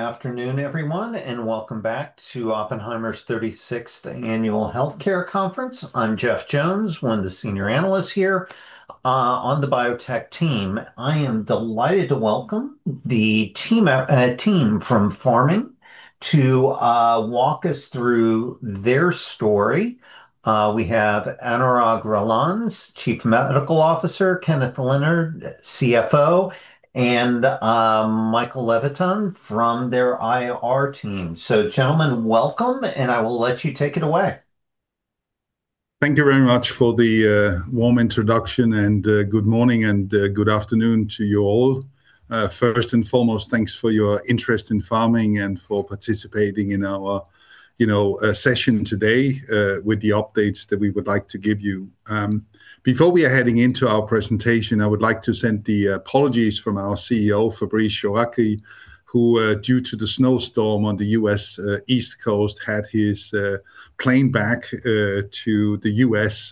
Afternoon, everyone, welcome back to Oppenheimer's 36th Annual Healthcare Conference. I'm Jeff Jones, one of the senior analysts here on the biotech team. I am delighted to welcome the team from Pharming to walk us through their story. We have Anurag Relan, Chief Medical Officer, Kenneth Lynard, CFO, and Michael Levitan from their IR team. Gentlemen, welcome, and I will let you take it away. Thank you very much for the warm introduction, and good morning and good afternoon to you all. First and foremost, thanks for your interest in Pharming and for participating in our, you know, session today, with the updates that we would like to give you. Before we are heading into our presentation, I would like to send the apologies from our CEO, Fabrice Chouraqui, who due to the snowstorm on the U.S. East Coast, had his plane back to the U.S.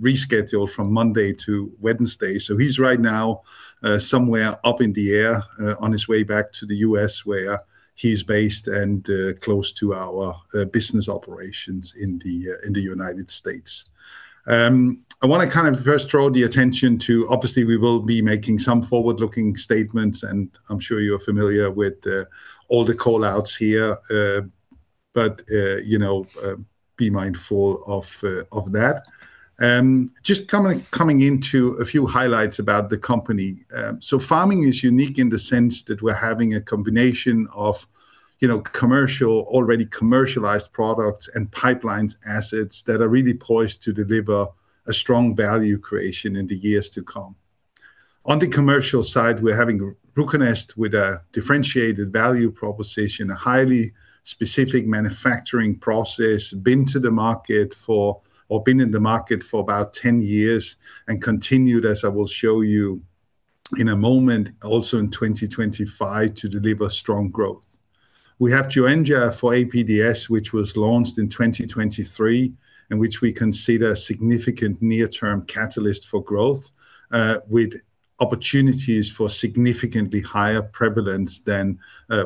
rescheduled from Monday to Wednesday. He's right now somewhere up in the air on his way back to the U.S., where he's based and close to our business operations in the United States. I want to kind of first draw the attention to Obviously, we will be making some forward-looking statements, I'm sure you're familiar with all the call-outs here, but, you know, be mindful of that. Just coming into a few highlights about the company. Pharming is unique in the sense that we're having a combination of, you know, commercial, already commercialized products and pipelines assets that are really poised to deliver a strong value creation in the years to come. On the commercial side, we're having RUCONEST with a differentiated value proposition, a highly specific manufacturing process. Been to the market for, or been in the market for about 10 years, and continued, as I will show you in a moment, also in 2025, to deliver strong growth. We have Joenja for APDS, which was launched in 2023, and which we consider a significant near-term catalyst for growth, with opportunities for significantly higher prevalence than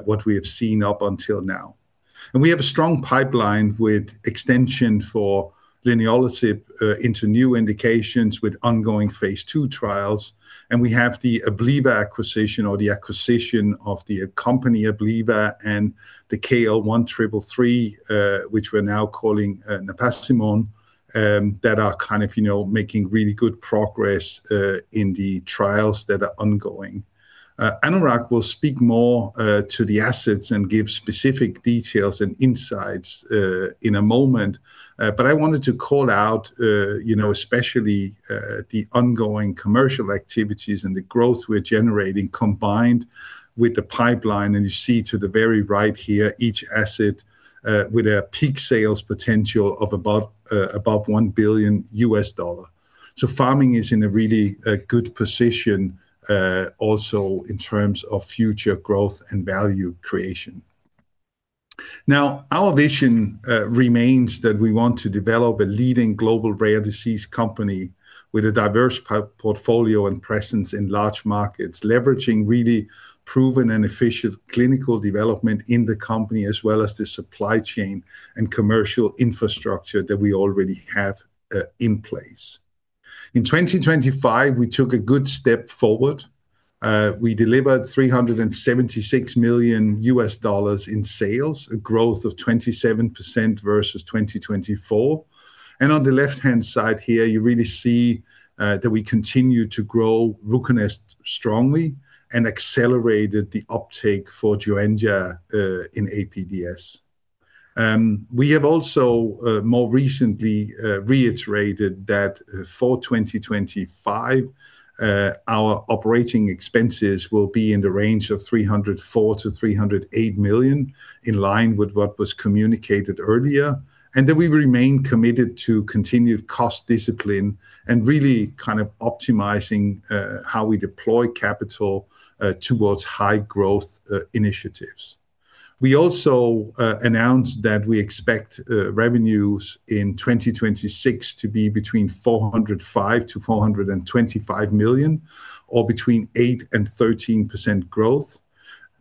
what we have seen up until now. We have a strong pipeline with extension for leniolisib into new indications with ongoing phase II trials, and we have the Abliva acquisition, or the acquisition of the company Abliva, and the KL-1333, which we're now calling napazimone, that are kind of, you know, making really good progress in the trials that are ongoing. Anurag Relan will speak more to the assets and give specific details and insights in a moment. I wanted to call out, you know, especially the ongoing commercial activities and the growth we're generating, combined with the pipeline. You see to the very right here, each asset, with a peak sales potential of above $1 billion. Pharming is in a really good position, also in terms of future growth and value creation. Now, our vision remains that we want to develop a leading global rare disease company with a diverse portfolio and presence in large markets, leveraging really proven and efficient clinical development in the company, as well as the supply chain and commercial infrastructure that we already have in place. In 2025, we took a good step forward. We delivered $376 million in sales, a growth of 27% versus 2024. On the left-hand side here, you really see that we continue to grow RUCONEST strongly and accelerated the uptake for Joenja in APDS. We have also, more recently, reiterated that, for 2025, our operating expenses will be in the range of $304 million-$308 million, in line with what was communicated earlier, and that we remain committed to continued cost discipline and really kind of optimizing, how we deploy capital, towards high-growth initiatives. We also announced that we expect revenues in 2026 to be between $405 million-$425 million, or between 8%-13% growth.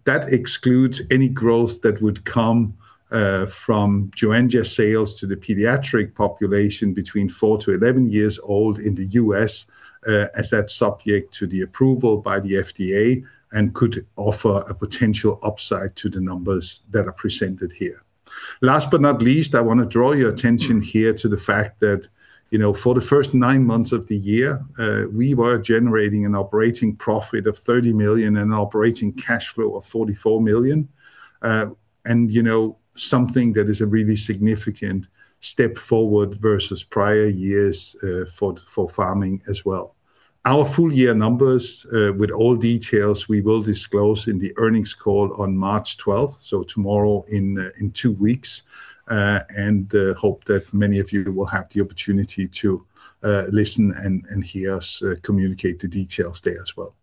That excludes any growth that would come, from Joenja sales to the pediatric population between four-11 years old in the US, as that's subject to the approval by the FDA and could offer a potential upside to the numbers that are presented here. Last but not least, I want to draw your attention here to the fact that, you know, for the first nine months of the year, we were generating an operating profit of $30 million and an operating cash flow of $44 million. You know, something that is a really significant step forward versus prior years, for Pharming as well. Our full year numbers, with all details, we will disclose in the earnings call on March 12th, so tomorrow in two weeks, hope that many of you will have the opportunity to listen and hear us communicate the details there as well.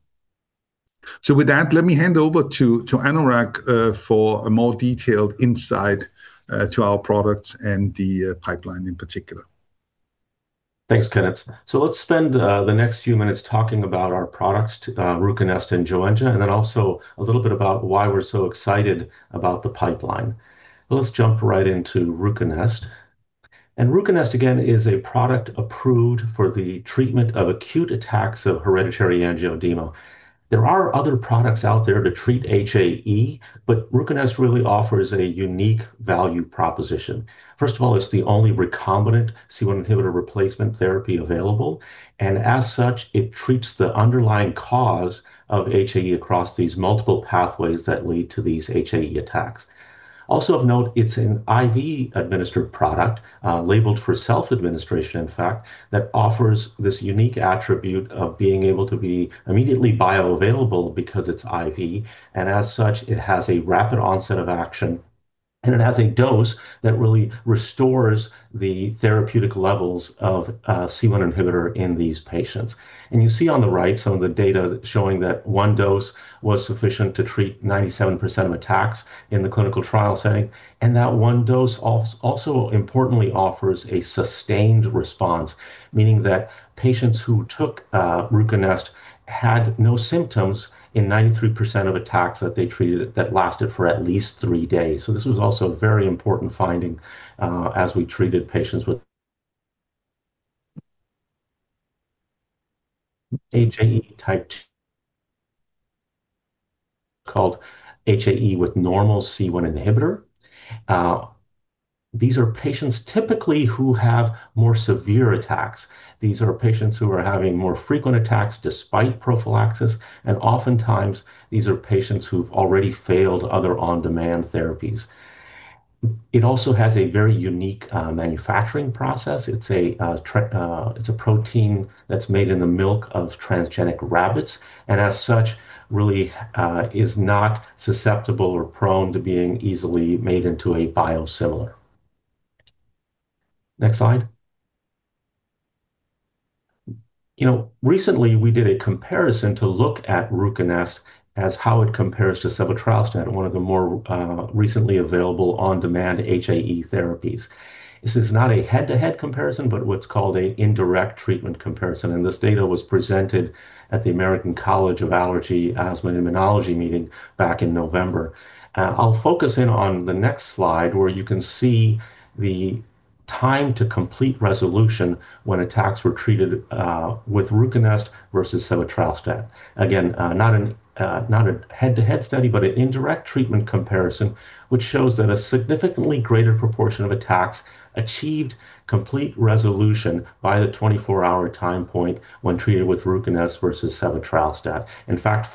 With that, let me hand over to Anurag Relan for a more detailed insight to our products and the pipeline in particular. Thanks, Kenneth. Let's spend the next few minutes talking about our products, RUCONEST and Joenja, and then also a little bit about why we're so excited about the pipeline. Let's jump right into RUCONEST. RUCONEST, again, is a product approved for the treatment of acute attacks of hereditary angioedema. There are other products out there to treat HAE, but RUCONEST really offers a unique value proposition. First of all, it's the only recombinant C1 inhibitor replacement therapy available, and as such, it treats the underlying cause of HAE across these multiple pathways that lead to these HAE attacks. Of note, it's an IV-administered product, labeled for self-administration, in fact, that offers this unique attribute of being able to be immediately bioavailable because it's IV, and as such, it has a rapid onset of action, and it has a dose that really restores the therapeutic levels of C1 inhibitor in these patients. You see on the right some of the data showing that one dose was sufficient to treat 97% of attacks in the clinical trial setting. That one dose importantly offers a sustained response, meaning that patients who took RUCONEST had no symptoms in 93% of attacks that they treated that lasted for at least three days. This was also a very important finding as we treated patients with HAE type, called HAE with normal C1 inhibitor. These are patients typically who have more severe attacks. These are patients who are having more frequent attacks despite prophylaxis, and oftentimes, these are patients who've already failed other on-demand therapies. It also has a very unique manufacturing process. It's a protein that's made in the milk of transgenic rabbits, and as such, really, is not susceptible or prone to being easily made into a biosimilar. Next slide. You know, recently we did a comparison to look at RUCONEST as how it compares to sebetralstat, one of the more recently available on-demand HAE therapies. This is not a head-to-head comparison, but what's called a indirect treatment comparison, and this data was presented at the American College of Allergy, Asthma and Immunology meeting back in November. I'll focus in on the next slide, where you can see the time to complete resolution when attacks were treated with RUCONEST versus sebetralstat. Not a head-to-head study, but an indirect treatment comparison, which shows that a significantly greater proportion of attacks achieved complete resolution by the 24-hour time point when treated with RUCONEST versus sebetralstat. In fact,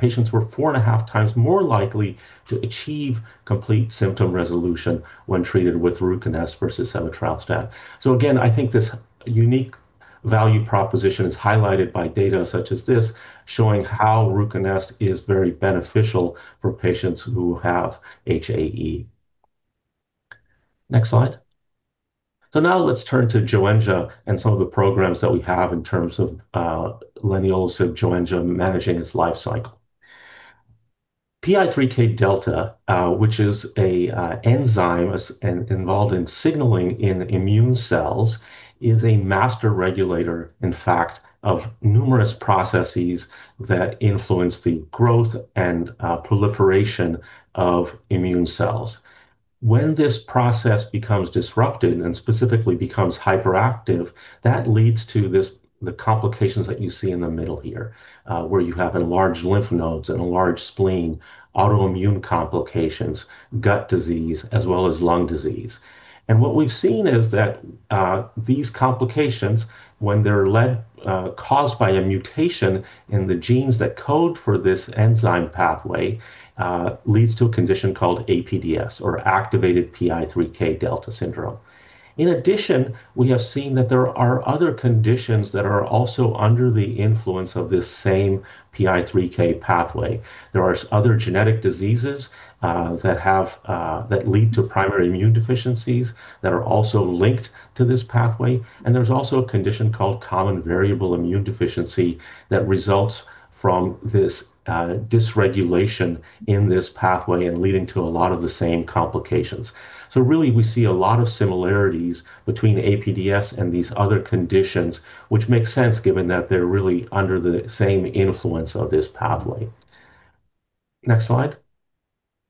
patients were four and a half times more likely to achieve complete symptom resolution when treated with RUCONEST versus sebetralstat. I think this unique value proposition is highlighted by data such as this, showing how RUCONEST is very beneficial for patients who have HAE. Next slide. Let's turn to Joenja and some of the programs that we have in terms of leniolisib Joenja managing its life cycle. PI3K delta, which is a enzyme involved in signaling in immune cells, is a master regulator, in fact, of numerous processes that influence the growth and proliferation of immune cells. When this process becomes disrupted and specifically becomes hyperactive, that leads to the complications that you see in the middle here, where you have enlarged lymph nodes and enlarged spleen, autoimmune complications, gut disease, as well as lung disease. What we've seen is that these complications, when they're caused by a mutation in the genes that code for this enzyme pathway, leads to a condition called APDS or activated PI3K delta syndrome. In addition, we have seen that there are other conditions that are also under the influence of this same PI3K pathway. There are other genetic diseases, that have, that lead to primary immune deficiencies that are also linked to this pathway, and there's also a condition called common variable immune deficiency that results from this, dysregulation in this pathway and leading to a lot of the same complications. Really, we see a lot of similarities between APDS and these other conditions, which makes sense given that they're really under the same influence of this pathway. Next slide.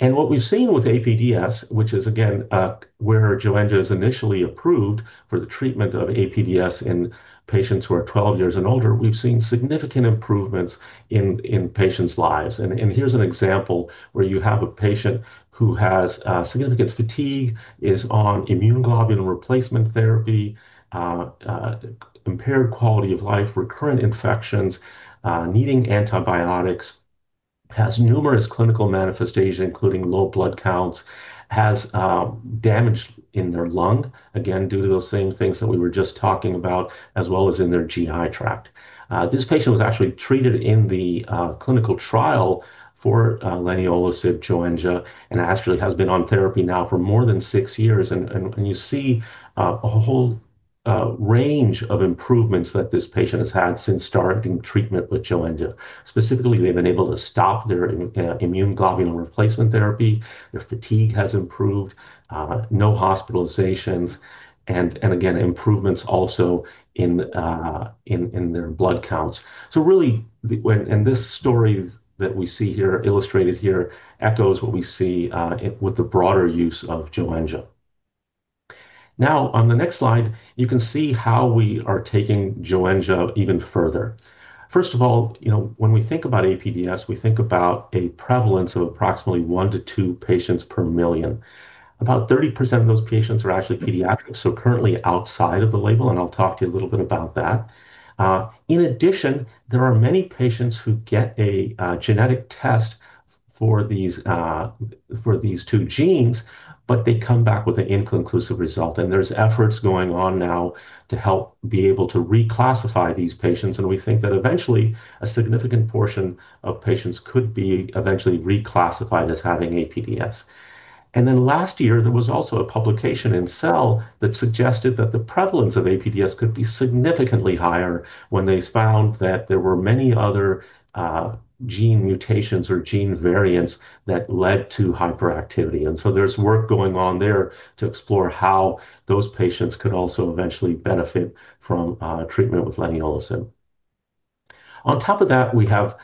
What we've seen with APDS, which is again, where Joenja is initially approved for the treatment of APDS in patients who are 12 years and older, we've seen significant improvements in patients' lives. Here's an example where you have a patient who has significant fatigue, is on immunoglobulin replacement therapy, impaired quality of life, recurrent infections, needing antibiotics, has numerous clinical manifestations, including low blood counts, has damage in their lung, again, due to those same things that we were just talking about, as well as in their GI tract. This patient was actually treated in the clinical trial for leniolisib Joenja, and actually has been on therapy now for more than six years, and you see a range of improvements that this patient has had since starting treatment with Joenja. Specifically, they've been able to stop their immunoglobulin replacement therapy, their fatigue has improved, no hospitalizations, and again improvements also in their blood counts. Really, the, this story that we see here, illustrated here, echoes what we see, it with the broader use of Joenja. On the next slide, you can see how we are taking Joenja even further. First of all, you know, when we think about APDS, we think about a prevalence of approximately one-two patients per million. About 30% of those patients are actually pediatric, so currently outside of the label, and I'll talk to you a little bit about that. In addition, there are many patients who get a genetic test for these, for these two genes, but they come back with an inconclusive result, and there's efforts going on now to help be able to reclassify these patients, and we think that eventually, a significant portion of patients could be eventually reclassified as having APDS. Last year, there was also a publication in Cell that suggested that the prevalence of APDS could be significantly higher when they found that there were many other gene mutations or gene variants that led to hyperactivity. There's work going on there to explore how those patients could also eventually benefit from treatment with leniolisib. We have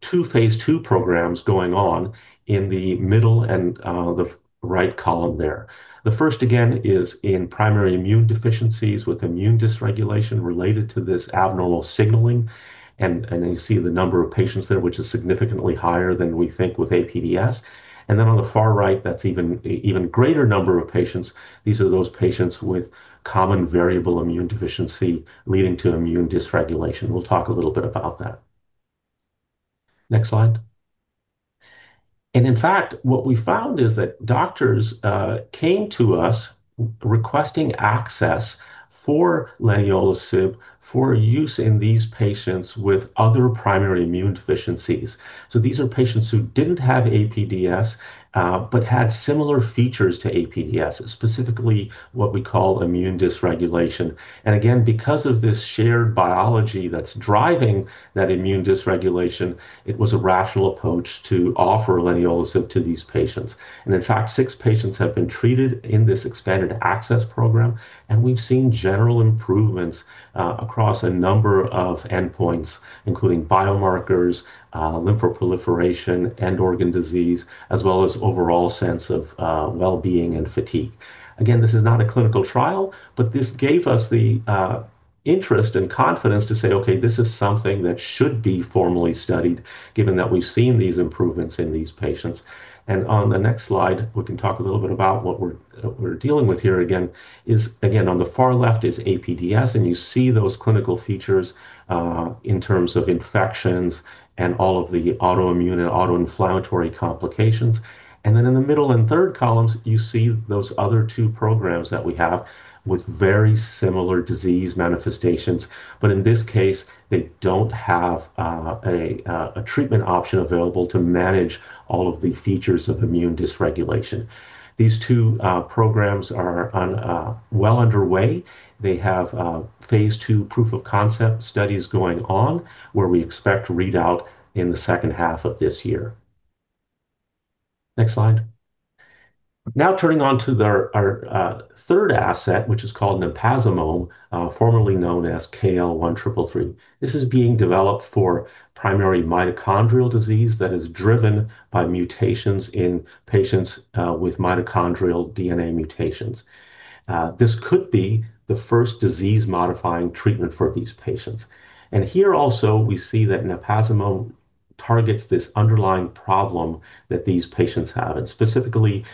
two phase II programs going on in the middle and the right column there. The first again, is in primary immune deficiencies with immune dysregulation related to this abnormal signaling. You see the number of patients there, which is significantly higher than we think with APDS. On the far right, that's even greater number of patients. These are those patients with common variable immune deficiency leading to immune dysregulation. We'll talk a little bit about that. Next slide. In fact, what we found is that doctors came to us requesting access for leniolisib for use in these patients with other primary immune deficiencies. These are patients who didn't have APDS, but had similar features to APDS, specifically what we call immune dysregulation. Again, because of this shared biology that's driving that immune dysregulation, it was a rational approach to offer leniolisib to these patients. In fact, six patients have been treated in this expanded access program, and we've seen general improvements across a number of endpoints, including biomarkers, lymphoproliferation, and organ disease, as well as overall sense of well-being and fatigue. Again, this is not a clinical trial, but this gave us the interest and confidence to say, "Okay, this is something that should be formally studied, given that we've seen these improvements in these patients." On the next slide, we can talk a little bit about what we're dealing with here. Again, is again, on the far left is APDS, and you see those clinical features in terms of infections and all of the autoimmune and autoinflammatory complications. In the middle and third columns, you see those other two programs that we have with very similar disease manifestations, but in this case, they don't have a treatment option available to manage all of the features of immune dysregulation. These two programs are on well underway. They have phase II proof-of-concept studies going on, where we expect to read out in the second half of this year. Next slide. Now, turning on to our third asset, which is called napazimone, formerly known as KL-1333. This is being developed for primary mitochondrial disease that is driven by mutations in patients with mitochondrial DNA mutations. This could be the first disease-modifying treatment for these patients. Here also, we see that napazimone targets this underlying problem that these patients have, and specifically,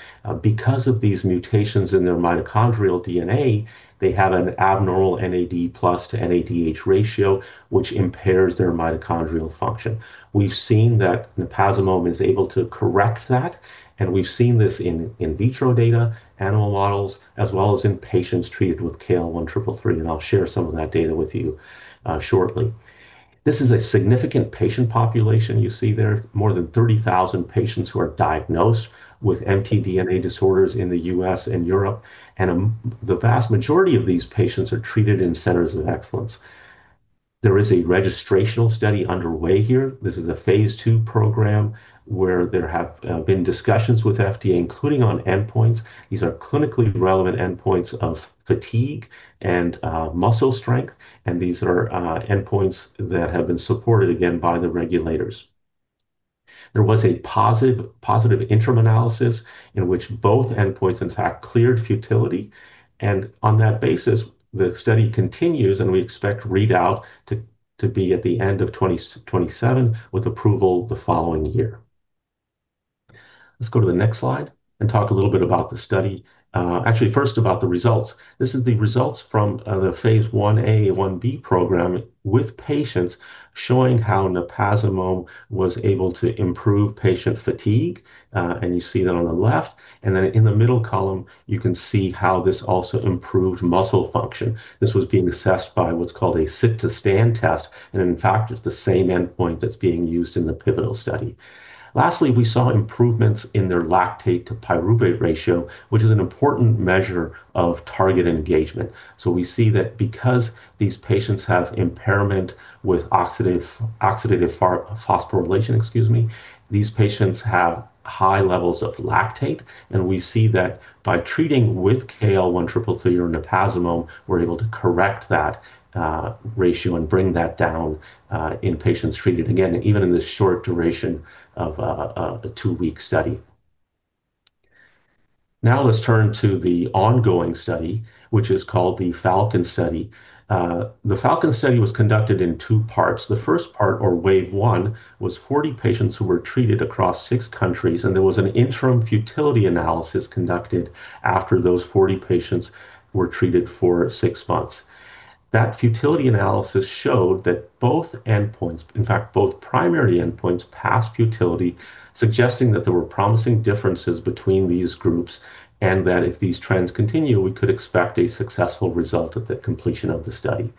because of these mutations in their mitochondrial DNA, they have an abnormal NAD+ to NADH ratio, which impairs their mitochondrial function. We've seen that napazimone is able to correct that, and we've seen this in in vitro data, animal models, as well as in patients treated with KL-1333, and I'll share some of that data with you shortly. This is a significant patient population. You see there are more than 30,000 patients who are diagnosed with mtDNA disorders in the U.S. and Europe, and the vast majority of these patients are treated in centers of excellence. There is a registrational study underway here. This is a phase II program, where there have been discussions with FDA, including on endpoints. These are clinically relevant endpoints of fatigue and muscle strength, and these are endpoints that have been supported again, by the regulators. There was a positive interim analysis in which both endpoints, in fact, cleared futility, and on that basis, the study continues, and we expect readout to be at the end of 2027, with approval the following year. Let's go to the next slide and talk a little bit about the study. Actually, first about the results. This is the results from the phase I-A/I-B program with patients showing how napazimone was able to improve patient fatigue, and you see that on the left, and then in the middle column, you can see how this also improved muscle function. This was being assessed by what's called a sit-to-stand test, and in fact, it's the same endpoint that's being used in the pivotal study. Lastly, we saw improvements in their lactate to pyruvate ratio, which is an important measure of target engagement. We see that because these patients have impairment with oxidative phosphorylation, excuse me, these patients have high levels of lactate, and we see that by treating with KL1333 or napazimone, we're able to correct that ratio and bring that down in patients treated, again, even in the short duration of a two-week study. Let's turn to the ongoing study, which is called the FALCON Study. The FALCON Study was conducted in two parts. The first part, or wave one, was 40 patients who were treated across six countries, and there was an interim futility analysis conducted after those 40 patients were treated for six months. That futility analysis showed that both endpoints, in fact, both primary endpoints, passed futility, suggesting that there were promising differences between these groups, and that if these trends continue, we could expect a successful result at the completion of the study.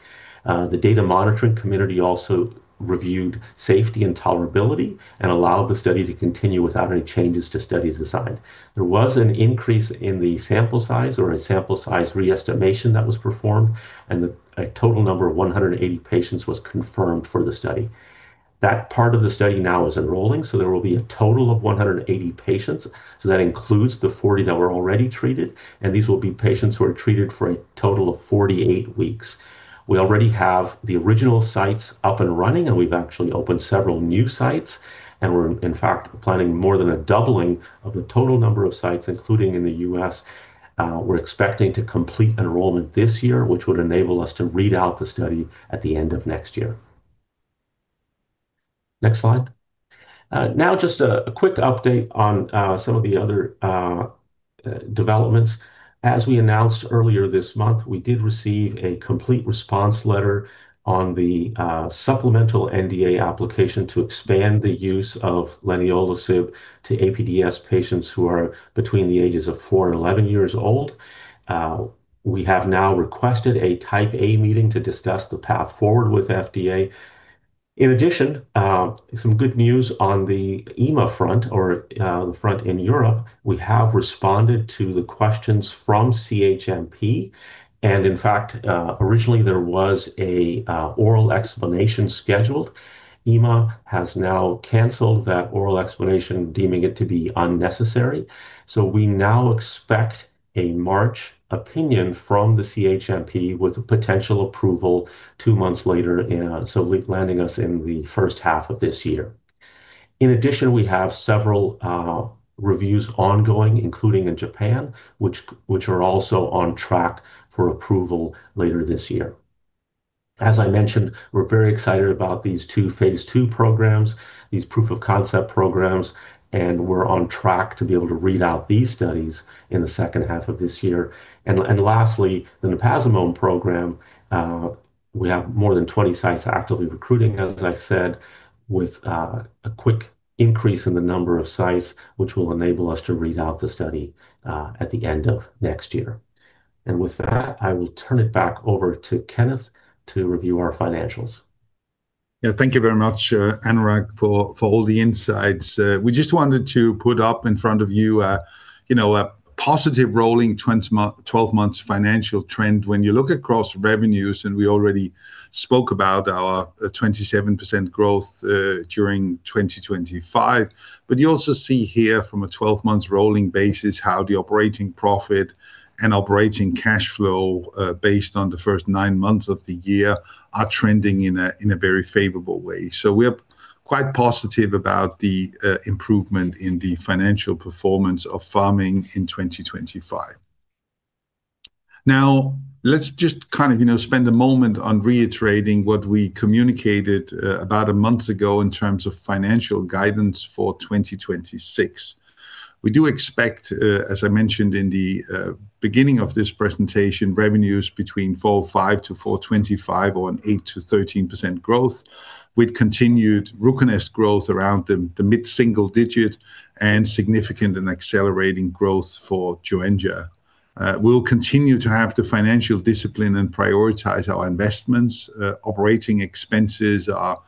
The data monitoring committee also reviewed safety and tolerability and allowed the study to continue without any changes to study design. There was an increase in the sample size or a sample size re-estimation that was performed, and a total number of 180 patients was confirmed for the study. That part of the study now is enrolling, so there will be a total of 180 patients, so that includes the 40 that were already treated, and these will be patients who are treated for a total of 48 weeks. We already have the original sites up and running, and we've actually opened several new sites, and we're, in fact, planning more than a doubling of the total number of sites, including in the U.S. We're expecting to complete enrollment this year, which would enable us to read out the study at the end of next year. Next slide. Now just a quick update on some of the other developments. As we announced earlier this month, we did receive a Complete Response Letter on the supplemental NDA application to expand the use of leniolisib to APDS patients who are between the ages of four and 11 years old. We have now requested a Type A meeting to discuss the path forward with FDA. Some good news on the EMA front or the front in Europe. We have responded to the questions from CHMP. Originally there was a oral explanation scheduled. EMA has now cancelled that oral explanation, deeming it to be unnecessary. We now expect a March opinion from the CHMP, with a potential approval two months later, landing us in the first half of this year. In addition, we have several reviews ongoing, including in Japan, which are also on track for approval later this year. As I mentioned, we're very excited about these two phase II programs, these proof of concept programs, and we're on track to be able to read out these studies in the second half of this year. Lastly, the napazimone program, we have more than 20 sites actively recruiting, as I said, with a quick increase in the number of sites, which will enable us to read out the study at the end of next year. With that, I will turn it back over to Kenneth to review our financials. Thank you very much, Anurag Relan, for all the insights. We just wanted to put up in front of you know, a positive rolling 12 months financial trend. When you look across revenues, and we already spoke about our 27% growth during 2025, but you also see here from a 12-months rolling basis, how the operating profit and operating cash flow, based on the first nine months of the year, are trending in a very favorable way. We are quite positive about the improvement in the financial performance of Pharming in 2025. Let's just kind of, you know, spend a moment on reiterating what we communicated about a month ago in terms of financial guidance for 2026. We do expect, as I mentioned in the beginning of this presentation, revenues between $405 million-$425 million, or an 8%-13% growth, with continued RUCONEST growth around the mid-single digit and significant and accelerating growth for Joenja. We will continue to have the financial discipline and prioritize our investments. Operating expenses are,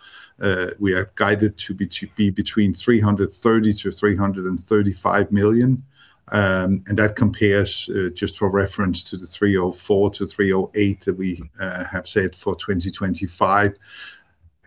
we are guided to be between $330 million-$335 million, and that compares, just for reference, to the $304 million-$308 million that we have said for 2025.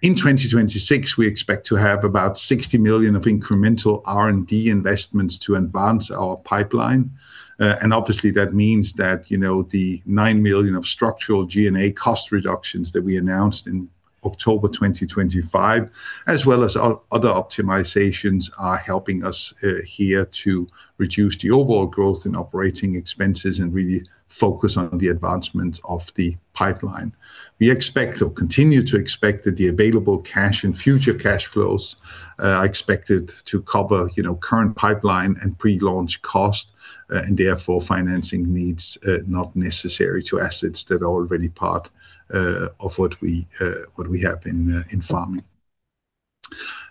In 2026, we expect to have about $60 million of incremental R&D investments to advance our pipeline. Obviously that means that, you know, the $9 million of structural G&A cost reductions that we announced in October 2025, as well as other optimizations, are helping us here to reduce the overall growth in operating expenses and really focus on the advancement of the pipeline. We expect or continue to expect that the available cash and future cash flows are expected to cover, you know, current pipeline and pre-launch cost, and therefore financing needs, not necessary to assets that are already part of what we have in Pharming.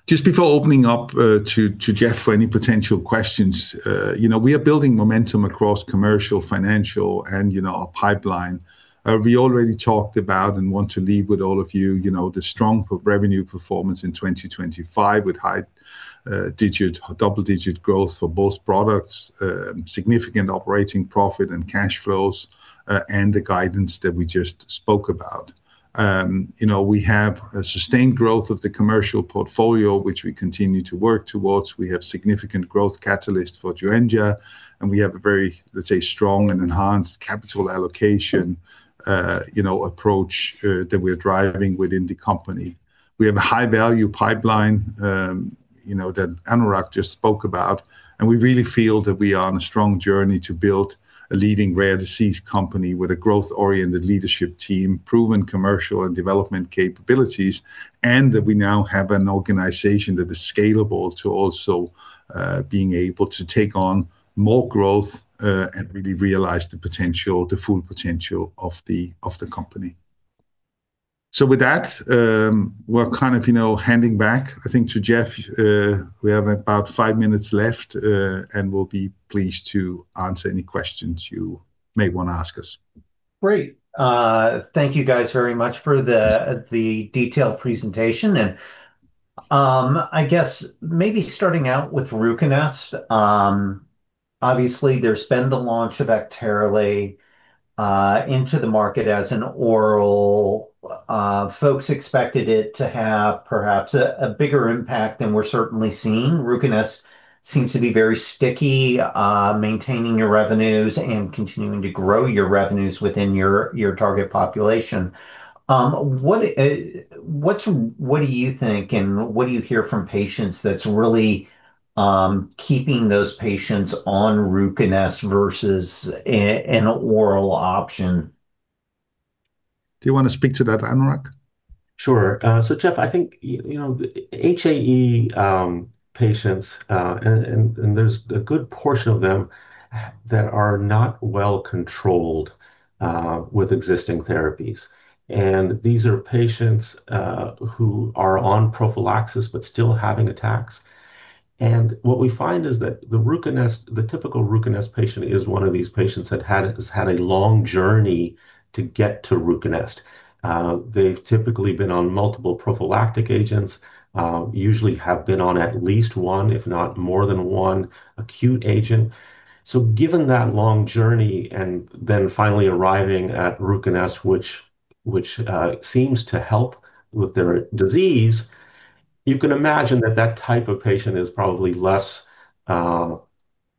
Just before opening up to Jeff for any potential questions, you know, we are building momentum across commercial, financial, and, you know, our pipeline. We already talked about and want to leave with all of you know, the strong revenue performance in 2025, with high double-digit growth for both products, significant operating profit and cash flows, and the guidance that we just spoke about. You know, we have a sustained growth of the commercial portfolio, which we continue to work towards. We have significant growth catalyst for Joenja. We have a very, let's say, strong and enhanced capital allocation, you know, approach that we are driving within the company. We have a high-value pipeline, you know, that Anurag just spoke about, and we really feel that we are on a strong journey to build a leading rare disease company with a growth-oriented leadership team, proven commercial and development capabilities, and that we now have an organization that is scalable to also being able to take on more growth and really realize the potential, the full potential of the, of the company. With that, we're kind of, you know, handing back, I think, to Jeff. We have about five minutes left, and we'll be pleased to answer any questions you may want to ask us. Great. Thank you guys very much. Mm-hmm. the detailed presentation, I guess maybe starting out with RUCONEST. Obviously, there's been the launch of Actemra into the market as an oral. Folks expected it to have perhaps a bigger impact than we're certainly seeing. RUCONEST seems to be very sticky, maintaining your revenues and continuing to grow your revenues within your target population. What do you think, and what do you hear from patients that's really keeping those patients on RUCONEST versus an oral option? Do you want to speak to that, Anurag? Sure. Jeff, I think, you know, HAE patients, and there's a good portion of them that are not well controlled with existing therapies, and these are patients who are on prophylaxis but still having attacks. What we find is that the typical RUCONEST patient is one of these patients that has had a long journey to get to RUCONEST. They've typically been on multiple prophylactic agents, usually have been on at least one, if not more than one, acute agent. Given that long journey and then finally arriving at RUCONEST, which seems to help with their disease, you can imagine that that type of patient is probably less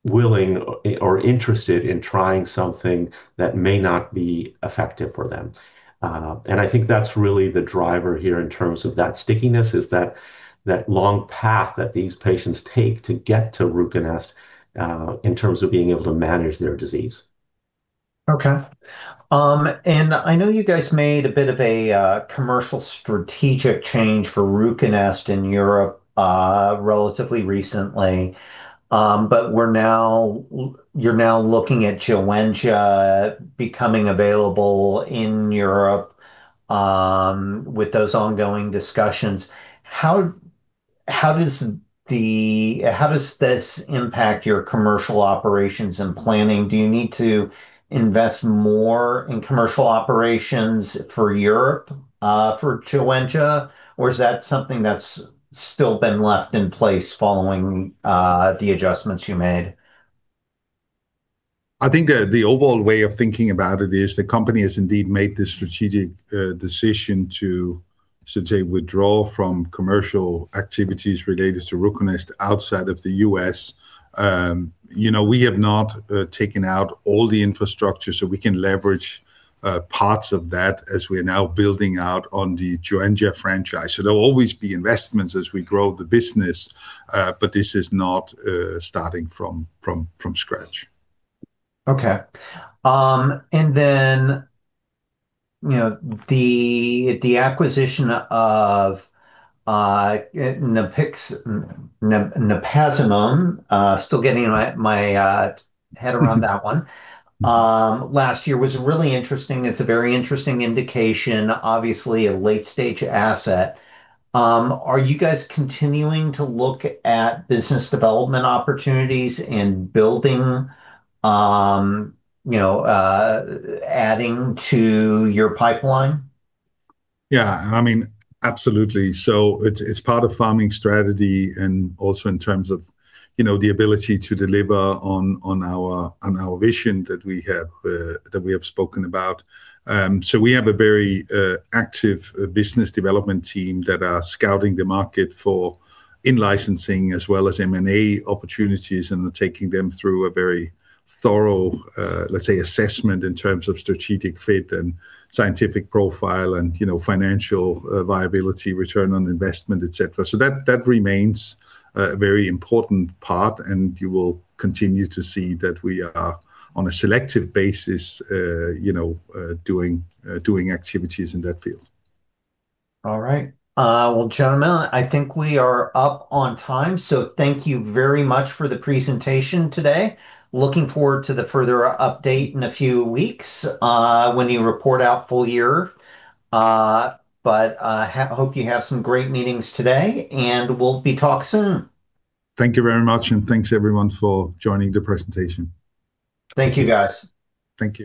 willing or interested in trying something that may not be effective for them. I think that's really the driver here in terms of that stickiness, is that long path that these patients take to get to RUCONEST, in terms of being able to manage their disease. Okay. I know you guys made a bit of a commercial strategic change for RUCONEST in Europe relatively recently. You're now looking at Joenja becoming available in Europe with those ongoing discussions. How does this impact your commercial operations and planning? Do you need to invest more in commercial operations for Europe for Joenja, or is that something that's still been left in place following the adjustments you made? I think the overall way of thinking about it is the company has indeed made the strategic decision to, should say, withdraw from commercial activities related to RUCONEST outside of the US. you know, we have not taken out all the infrastructure, so we can leverage parts of that as we are now building out on the Joenja franchise. There'll always be investments as we grow the business, but this is not starting from scratch. Okay. you know, the acquisition of napazimone, still getting my head around that one. Mm-hmm Last year was really interesting. It's a very interesting indication, obviously a late-stage asset. Are you guys continuing to look at business development opportunities and building, you know, adding to your pipeline? I mean, absolutely. It's part of Pharming strategy, in terms of, you know, the ability to deliver on our vision that we have spoken about. We have a very active business development team that are scouting the market for in-licensing as well as M&A opportunities, and are taking them through a very thorough, let's say, assessment in terms of strategic fit and scientific profile, and, you know, financial viability, return on investment, et cetera. That remains a very important part. You will continue to see that we are, on a selective basis, you know, doing activities in that field. All right. Well, gentlemen, I think we are up on time, so thank you very much for the presentation today. Looking forward to the further update in a few weeks, when you report out full year. Hope you have some great meetings today, and we'll be talk soon. Thank you very much, and thanks, everyone, for joining the presentation. Thank you, guys. Thank you.